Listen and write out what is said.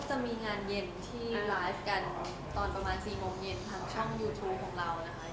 จะมีงานเย็นที่ไลฟ์กันตอนประมาณ๔โมงเย็นทางช่องยูทูปของเรานะคะ